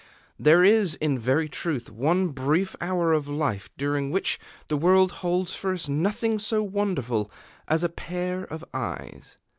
There is, in very truth, one brief hour of life during which the world holds for us nothing so wonderful as a pair of eyes.